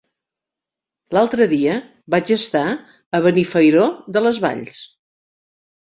L'altre dia vaig estar a Benifairó de les Valls.